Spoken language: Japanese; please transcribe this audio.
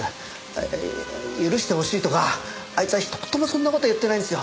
あ許してほしいとかあいつは一言もそんな事言ってないんですよ。